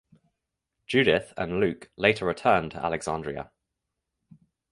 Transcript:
Judith and Luke later return to Alexandria.